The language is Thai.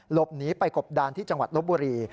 หลบหนีไปกบดานที่จังหวัดลบบุรี